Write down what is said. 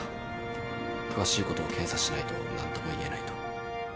詳しいことを検査しないと何とも言えないと。